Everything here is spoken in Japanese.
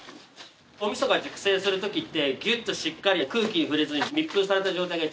お味噌が熟成する時ってぎゅっとしっかり空気に触れずに密封された状態が一番いいので。